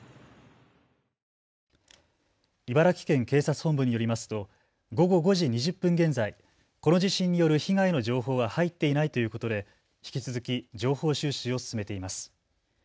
茨城県警察本部によりますと午後５時２０分現在、この地震による被害の情報は入っていないということで引き続き情報収集を進めています。